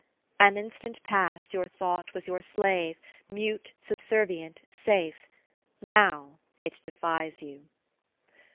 An instant past, your thought was your slave, mute, subservient, safe : now it defies you.